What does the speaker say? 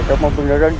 agak membeneran juga